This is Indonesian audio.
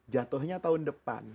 jatuhnya tahun depan